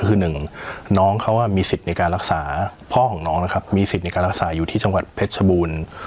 คือหนึ่งน้องเขามีสิทธิ์ในการรักษาพ่อของน้องนะครับมีสิทธิ์ในการรักษาอยู่ที่จังหวัดเพชรชบูรณ์